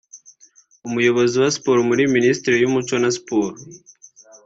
umuyobozi wa siporo muri Minisiteri y’umuco na siporo